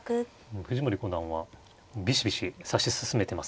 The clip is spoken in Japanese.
藤森五段はビシビシ指し進めてますね。